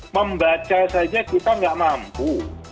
membaca saja kita nggak mampu